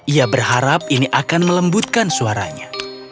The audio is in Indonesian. ia berharap ini akan melembutkan suaranya